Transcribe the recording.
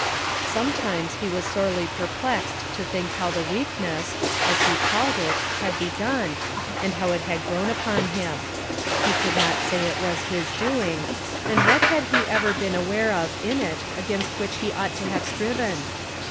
Sometimes he was sorely perplexed to think how the weakness, as he called it, had begun, and how it had grown upon him. He could not say it was his doing, and what had he ever been aware of in it against which he ought to have striven?